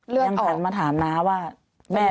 ยังหันมาถามน้าว่าแม่เป็นไงบ้าง